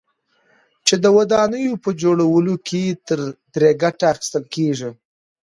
چې د ودانيو په جوړولو كې ترې گټه اخيستل كېږي،